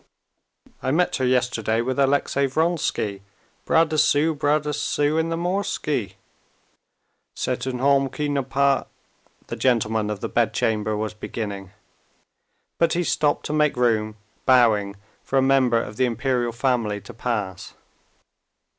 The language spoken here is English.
I met her yesterday with Alexey Vronsky, bras dessous, bras dessous, in the Morsky." "C'est un homme qui n'a pas,..." the gentleman of the bedchamber was beginning, but he stopped to make room, bowing, for a member of the Imperial family to pass.